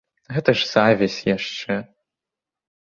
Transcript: Гэта ж завязь яшчэ.